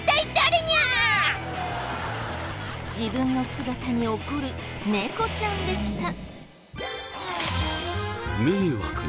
自分の姿に怒るネコちゃんでした。